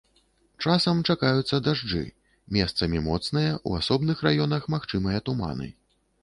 Часам чакаюцца дажджы, месцамі моцныя, у асобных раёнах магчымыя туманы.